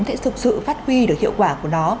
sẽ thực sự phát huy được hiệu quả của nó